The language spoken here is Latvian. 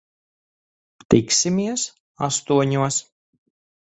Tiksimies astoņos.